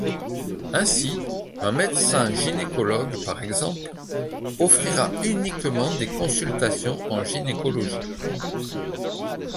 Ainsi, un médecin gynécologue par exemple, offrira uniquement des consultations en gynécologie.